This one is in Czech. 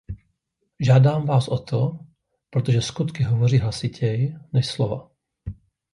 Žádám vás o to, protože skutky hovoří hlasitěji než slova.